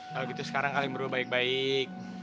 kalau gitu sekarang kalian berdua baik baik